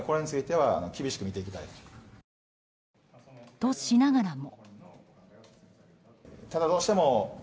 としながらも。